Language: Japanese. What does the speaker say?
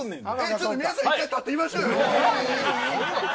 皆さん１回立ってみましょうよ。